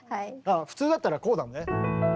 普通だったらこうだもんね。